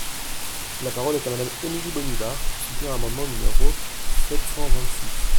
La parole est à Madame Émilie Bonnivard, pour soutenir l’amendement numéro sept cent vingt-six.